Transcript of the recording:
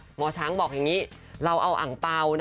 หมอช้างบอกอย่างนี้เราเอาอังเปล่า